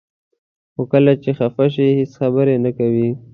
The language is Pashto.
خو کله چې خفه شي هیڅ خبرې نه کوي.